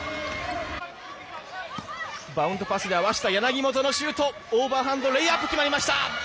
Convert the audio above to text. バウンドパスで合わせた柳本のシュートオーバーハンドのレイアップ決まりました！